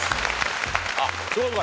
あっそうか。